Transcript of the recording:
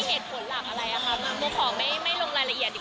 แต่ว่าถ้าสำหรับเรื่องในอนาคตอย่างนี้